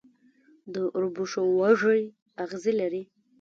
د وربشو وږی اغزي لري.